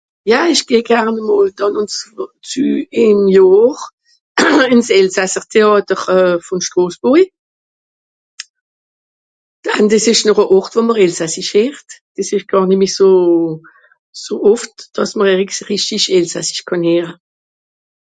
ja ich geh garn a mol dànn un zü im johr ins elsasser théàter euh von strosburi dann des isch noch e ort wo m'r elsassisch heert dis àsch gàr nemmi so so oft dàss mr erigs richtich elsassisch kànn heere